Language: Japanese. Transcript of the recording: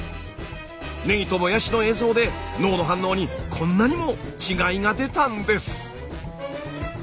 ねぎともやしの映像で脳の反応にこんなにも違いが出たんです。